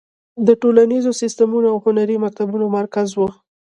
د ټولنیزو سیستمونو او هنري مکتبونو مرکز و.